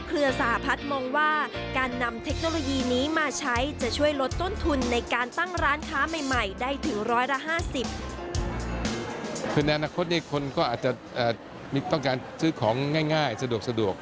คือในอนาคตคนก็อาจจะต้องการซื้อของง่ายสะดวก